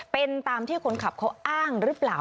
เป็นตามที่คนขับเขาอ้างหรือเปล่า